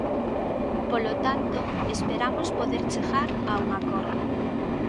Polo tanto, esperamos poder chegar a un acordo.